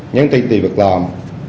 nhắn tin tìm việc làm